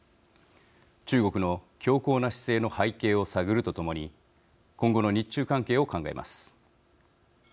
中国の強硬な姿勢の背景を探るとともに今後の日中関係を考えます。